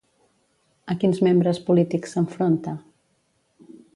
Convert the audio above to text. A quins membres polítics s'enfronta?